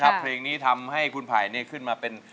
เพราะเพรงนี้ทำให้คุณภัยขึ้นมาเป็น